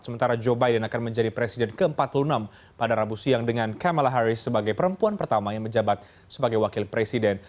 sementara joe biden akan menjadi presiden ke empat puluh enam pada rabu siang dengan kamala harris sebagai perempuan pertama yang menjabat sebagai wakil presiden